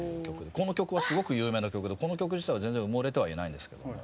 この曲はすごく有名な曲でこの曲自体は全然うもれてはいないんですけども。